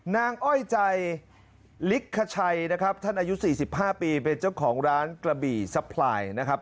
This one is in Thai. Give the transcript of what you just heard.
อ้อยใจลิกขชัยนะครับท่านอายุ๔๕ปีเป็นเจ้าของร้านกระบี่ซัพพลายนะครับ